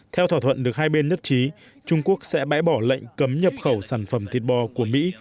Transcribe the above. theo thỏa thuận được hai bên nhất trí trung quốc sẽ bãi bỏ lệnh cấm nhập khẩu sản phẩm thịt bò của mỹ